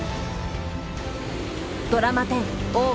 ドラマ１０「大奥」